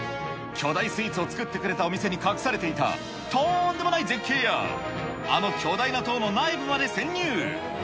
巨大スイーツを作ってくれたお店に隠されていた、とんでもない絶景や、あの巨大な塔の内部まで潜入。